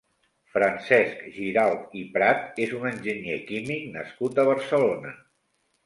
Francesc Giralt i Prat és un enginyer químic nascut a Barcelona.